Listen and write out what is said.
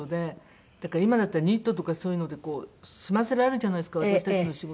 だから今だったらニットとかそういうので済ませられるじゃないですか私たちの仕事。